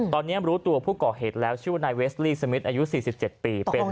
ตอนนี้รู้ตัวผู้ก่อเหตุแล้วชื่อว่านายเวสลี่สมิทอายุ๔๗ปี